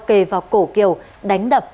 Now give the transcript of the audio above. kề vào cổ kiều đánh đập